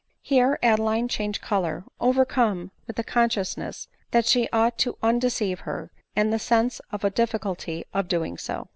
Here Adeline changed color, overcome with the con sciousness that she ought to undeceive her, and the sense of the difficulty of doing so.